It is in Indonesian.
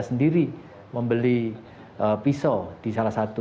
yang diisi pelaku kegyak tulisan abdul